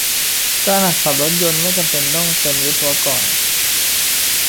การหัดขับรถยนต์ ไม่จำเป็นต้องเป็นวิศกร